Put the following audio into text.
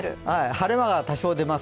晴れ間が多少出ます。